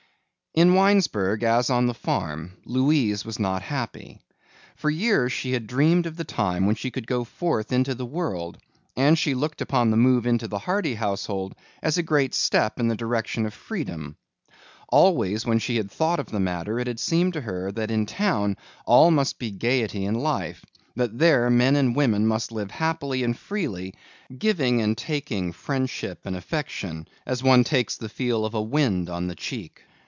In Winesburg as on the farm Louise was not happy. For years she had dreamed of the time when she could go forth into the world, and she looked upon the move into the Hardy household as a great step in the direction of freedom. Always when she had thought of the matter, it had seemed to her that in town all must be gaiety and life, that there men and women must live happily and freely, giving and taking friendship and affection as one takes the feel of a wind on the cheek.